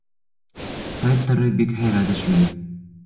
Сайттары бик һәйбәт эшләй.